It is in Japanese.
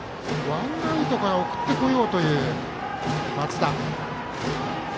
ワンアウトから送ってこようという松田。